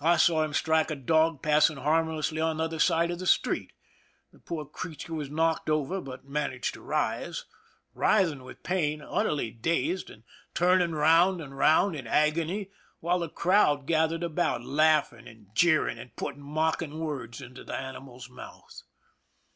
I saw him strike a dog passing harmlessly on the other side of the street. The poor creature was knocked over, but managed to rise^ writhing with pain, utterly dazed, and turning round and round in agony, while the crowd gathered about, laughing and jeering, and putting mocking words into the animal's mouth.